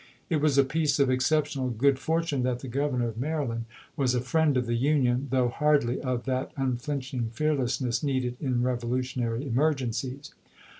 It was a piece of exceptional good fortune that the Governor of Maryland was a friend of the Union, though hardly of that un flinching fearlessness needed in revolutionary emergencies.